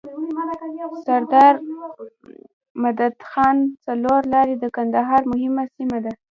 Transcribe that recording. سردار مدد خان څلور لاری د کندهار مهمه سیمه ده.